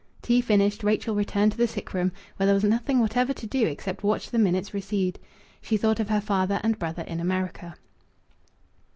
Tea finished, Rachel returned to the sick room, where there was nothing whatever to do except watch the minutes recede. She thought of her father and brother in America.